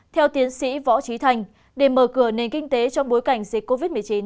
theo tiến sĩ võ trí thành để mở cửa nền kinh tế trong bối cảnh dịch covid một mươi chín